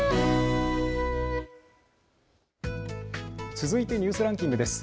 続いてニュースランキングです。